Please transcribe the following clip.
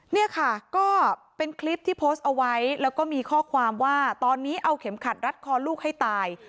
เนี่ยค่ะก็เป็นคลิปที่โพสต์เอาไว้แล้วก็มีข้อความว่าตอนนี้เอาเข็มขัดรัดคอลูกให้ตาย